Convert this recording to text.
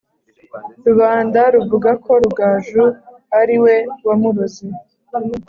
rubanda ruvuga ko rugaju ari we wamuroze;